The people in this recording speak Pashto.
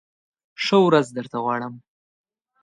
ښه ورځ درته غواړم !